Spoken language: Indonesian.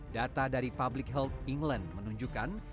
data dari public health england menunjukkan